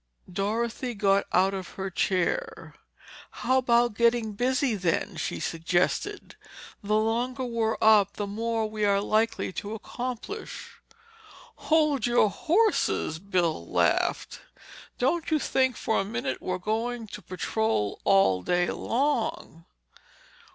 Dorothy got out of her chair. "How about getting busy, then?" she suggested. "The longer we're up, the more we are likely to accomplish." "Hold your horses," laughed Bill. "Don't think for a minute we're going to patrol all day long."